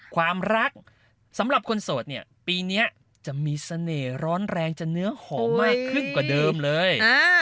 ความรักสำหรับคนโสดเนี่ยปีนี้จะมีเสน่ห์ร้อนแรงจะเนื้อหอมมากขึ้นกว่าเดิมเลย